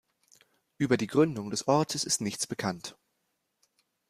Über die Gründung des Ortes ist nichts bekannt.